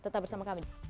tetap bersama kami